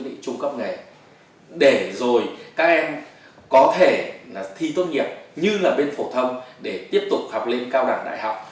để rồi các em có thể là thi tốt nghiệp như là bên phổ thông để tiếp tục học lên cao đẳng đại học